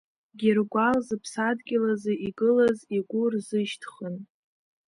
Гьыргәал зыԥсадгьыл азы игылаз игәы рзышьҭхын.